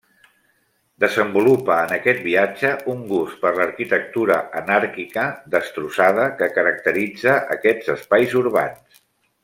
Desenvolupa en aquest viatge un gust per l'arquitectura anàrquica, destrossada, que caracteritza aquests espais urbans.